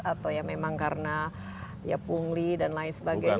atau ya memang karena ya pungli dan lain sebagainya